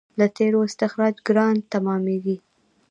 د تیلو استخراج ګران تمامېږي.